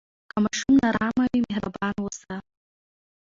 که ماشوم نارامه وي، مهربان اوسه.